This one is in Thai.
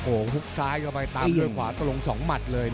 โอ้โหฮุกซ้ายเข้าไปตามด้วยขวาตรง๒หมัดเลย